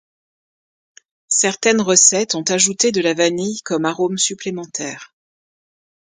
Certaines recettes ont ajouté de la vanille comme arôme supplémentaire.